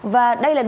và đây là nội dung